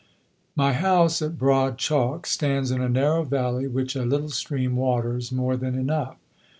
My house at Broad Chalke stands in a narrow valley, which a little stream waters more than enough.